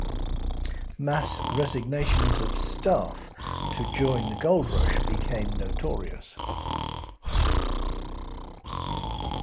Mass resignations of staff to join the gold rush became notorious.